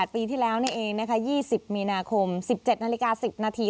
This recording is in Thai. ปีที่แล้วนี่เองนะคะ๒๐มีนาคม๑๗นาฬิกา๑๐นาที